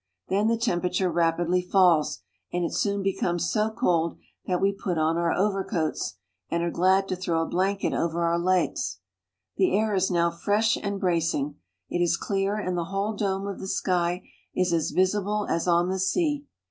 Then the temperature ■apidly falls, and it soon becomes so cold that we put on our overcoats and are glad to throw a blanket over our legs. The air is now fresh and bracing. It is clear, and the whole dome of the sky is as visible as on the sea.